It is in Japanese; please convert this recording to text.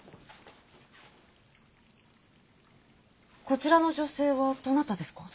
こちらの女性はどなたですか？